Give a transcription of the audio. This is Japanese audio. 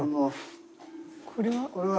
これは？